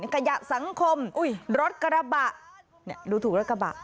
ขยะสังคมรถกระบะดูถูกรถกระบะ